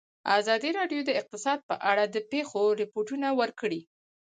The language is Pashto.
ازادي راډیو د اقتصاد په اړه د پېښو رپوټونه ورکړي.